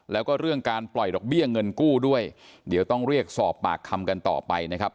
แล้วก็เรื่องการปล่อยดอกเบี้ยเงินกู้ด้วยเดี๋ยวต้องเรียกสอบปากคำกันต่อไปนะครับ